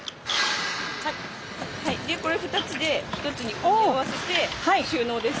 これ２つで１つに組み合わせて収納です。